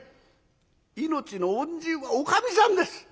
命の恩人はおかみさんです！